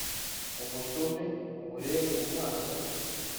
umusome, umurebe mu maso